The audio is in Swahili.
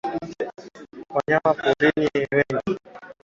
Wanyama wa porini ni wengi.